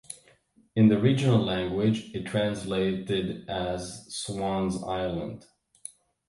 In the regional language it translated as "Swans Island".